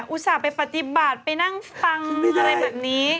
อุตส่าห์ไปปฏิบัติไปนั่งฟังอะไรแบบนี้